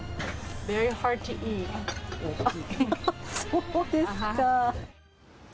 そうですか。